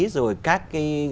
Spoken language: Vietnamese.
rồi các cái